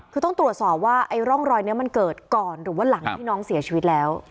คือต้องตรวจสอบว่าไอ้ร่องรอยนี้มันเกิดก่อนหรือว่าหลังที่น้องเสียชีวิตแล้ว